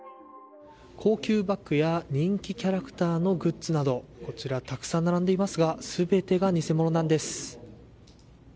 高級バッグや人気キャラクターのグッズなどこちら、たくさん並んでいますが全てが偽物なんです。